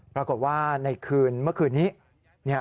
ปรากฏว่าในคืนเมื่อคืนนี้